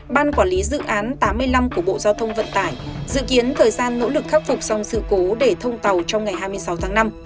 ban quản lý dự án tám mươi năm của bộ giao thông vận tải dự kiến thời gian nỗ lực khắc phục xong sự cố để thông tàu trong ngày hai mươi sáu tháng năm